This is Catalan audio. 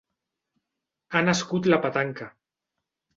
Ha nascut la petanca.